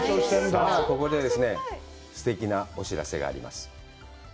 さあ、ここですてきなお知らせがあります。